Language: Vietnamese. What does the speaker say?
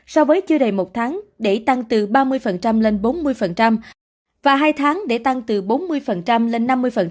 so với chưa đầy một tháng để tăng từ ba mươi lên bốn mươi và hai tháng để tăng từ bốn mươi lên năm mươi